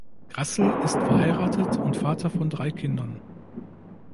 Grassl ist verheiratet und Vater von drei Kindern.